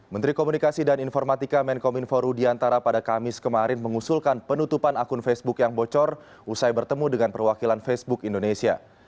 menteri komunikasi dan informatika menkominfo rudiantara pada kamis kemarin mengusulkan penutupan akun facebook yang bocor usai bertemu dengan perwakilan facebook indonesia